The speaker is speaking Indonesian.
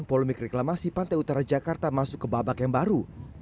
polemik reklamasi pantai utara jakarta masuk ke babak yang baru